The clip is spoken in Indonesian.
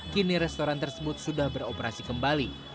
kini restoran tersebut sudah beroperasi kembali